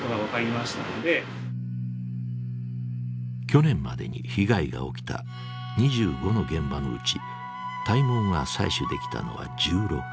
去年までに被害が起きた２５の現場のうち体毛が採取できたのは１６。